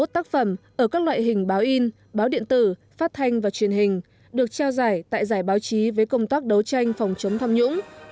sáu mươi một tác phẩm ở các loại hình báo in báo điện tử phát thanh và truyền hình được trao giải tại giải báo chí với công tác đấu tranh phòng chống tham nhũng